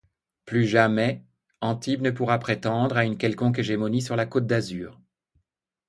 Plus jamais, Antibes ne pourra prétendre à une quelconque hégémonie sur la Côte d'Azur.